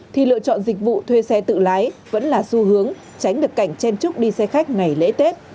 thì lựa chọn dịch vụ thuê xe tự lái vẫn là xu hướng tránh được cảnh chen trúc đi xe khách ngày lễ tết